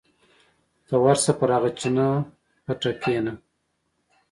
ته ورشه پر هغه چینه پټه کېنه.